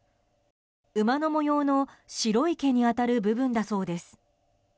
馬の模様の白い毛に当たる部分だそうです。